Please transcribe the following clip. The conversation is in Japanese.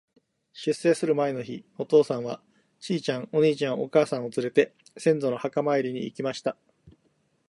出征する前の日、お父さんは、ちいちゃん、お兄ちゃん、お母さんをつれて、先祖の墓参りに行きました。